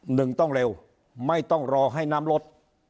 หนึ่งต้องเร็วไม่ต้องรอให้น้ำลด